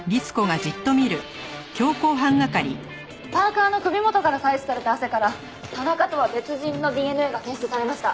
パーカの首元から採取された汗から田中とは別人のＤＮＡが検出されました。